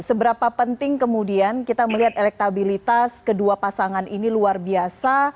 seberapa penting kemudian kita melihat elektabilitas kedua pasangan ini luar biasa